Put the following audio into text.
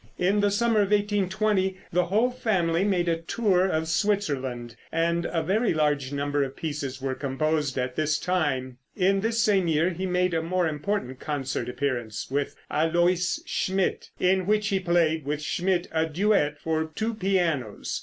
In the summer of 1820, the whole family made a tour of Switzerland, and a very large number of pieces were composed at this time. In this same year he made a more important concert appearance with Aloys Schmitt, in which he played with Schmitt a duet for two pianos.